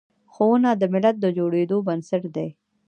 ښوونه د ملت د جوړیدو بنسټ دی.